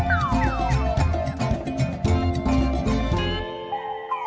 สามารถรับชมได้ทุกวัย